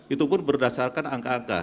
itu pun berdasarkan angka angka